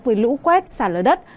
với lũ quét sạt ở đất